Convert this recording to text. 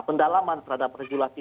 pendalaman terhadap regulasi